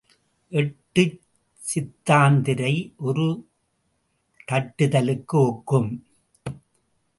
எட்டுச் சிந்தாத்திரை ஒரு தட்டுதலுக்கு ஒக்கும்.